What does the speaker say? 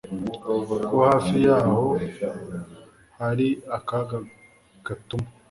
ko hafi yabo hari akaga katuma